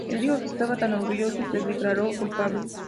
El dijo que estaba tan orgulloso, se declaró culpable.